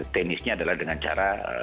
tenisnya adalah dengan cara